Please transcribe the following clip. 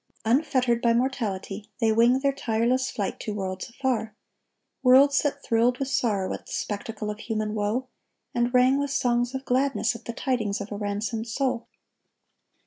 Unfettered by mortality, they wing their tireless flight to worlds afar,—worlds that thrilled with sorrow at the spectacle of human woe, and rang with songs of gladness at the tidings of a ransomed soul.